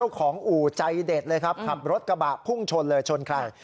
ของอู่ใจเด็ดเลยครับขับรถกระบะพุ่งชนเลยชนใคร